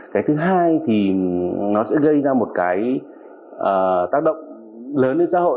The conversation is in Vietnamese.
cái thứ hai thì nó sẽ gây ra một cái tác động lớn lên xã hội